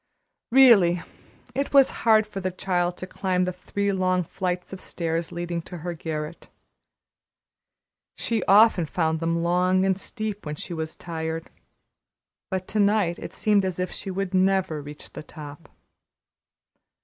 Really it was hard for the child to climb the three long flights of stairs leading to her garret. She often found them long and steep when she was tired, but to night it seemed as if she would never reach the top.